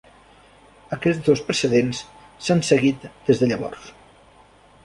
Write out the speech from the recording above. Aquests dos precedents s"han seguit des de llavors.